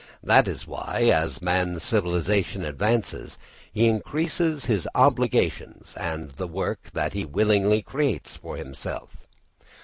That is why, as man's civilisation advances, he increases his obligations and the work that he willingly creates for himself.